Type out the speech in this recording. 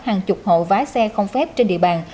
hàng chục hộ vá xe không phép trên địa bàn